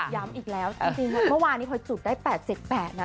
ย้ำอีกแล้วจริงเมื่อวานนี้พอจุดได้๘๗๘นะ